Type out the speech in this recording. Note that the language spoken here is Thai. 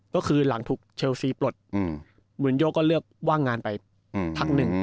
ก็คือหลังถูกเชลซีปลดมูลโยก็เลือกว่างงานไปพักหนึ่ง